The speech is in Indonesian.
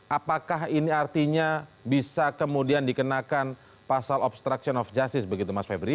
apakah ini artinya bisa kemudian dikenakan pasal obstruction of justice begitu mas febri